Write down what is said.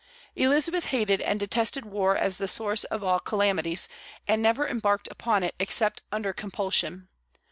Elizabeth hated and detested war as the source of all calamities, and never embarked upon it except under compulsion.